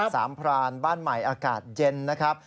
สามพรานบ้านใหม่อากาศเย็นนะครับ